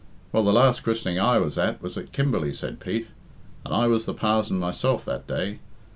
"Well, the last christening I was at was at Kimberley," said Pete, "and I was the parzon myself that day.